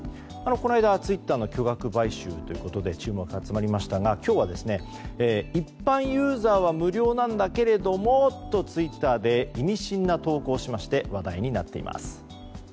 この間、ツイッターの巨額買収ということで注目が集まりましたが今日は一般ユーザーは無料なんだけどもとツイッターで意味深な投稿をしまして話題になっています。